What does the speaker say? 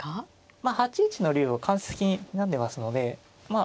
まあ８一の竜を間接的ににらんでますのでまあ